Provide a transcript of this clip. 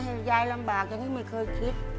ยายลำบากอย่างที่ไม่เคยคิด